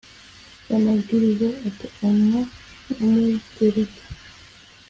Ry amabwiriza ateganywa n umugereka